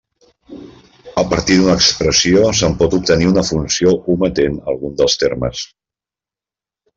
A partir d'una expressió se'n pot obtenir una funció ometent algun dels termes.